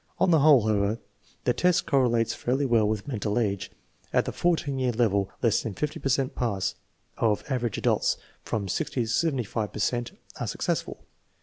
On the whole, however, the test corre lates fairly well with mental age. At the 14 year level less than 50 per cent pass; of " average adults/' from 60 to 75 per cent are successful.